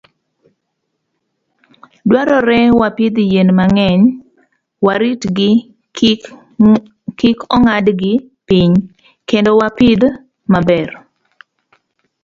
Dwarore wapidh yien mang'eny, waritgi kik ong'adgi piny, kendo wapidhi maber.